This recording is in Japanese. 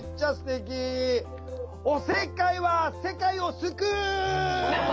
おせっかいは世界を救う！